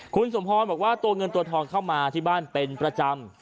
คุณสมพรบอกว่าตัวเงินตัวทองเข้ามาที่บ้านเป็นประจำ